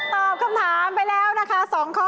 ตอบคำถามไปแล้วนะคะ๒ข้อ